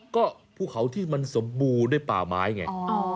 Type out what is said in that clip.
ก็ภูเขาที่มันสมบูรณ์ด้วยป่าไม้ไง